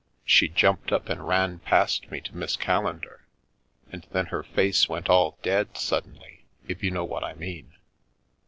She jumped up and ran past me to Miss Callendar, and then her face all went dead sud denly, if you know what I mean.